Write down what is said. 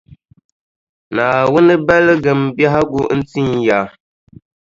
Naawuni baligimi biɛhigu n-tin ya.